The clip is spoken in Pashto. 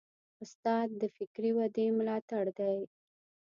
استاد د فکري ودې ملاتړی دی.